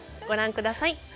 ご覧ください。